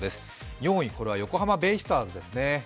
４位は横浜ベイスターズです。